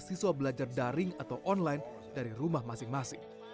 siswa belajar daring atau online dari rumah masing masing